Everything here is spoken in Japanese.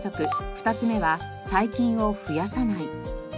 ２つ目は細菌を「増やさない」。